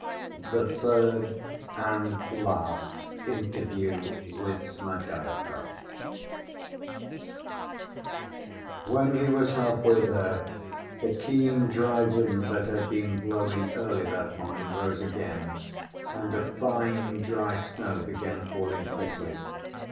The Third And Last Interview With Smerdyakov When he was half‐way there, the keen dry wind that had been blowing early that morning rose again, and a fine dry snow began falling thickly.